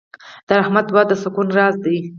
د رحمت دعا د سکون راز دی.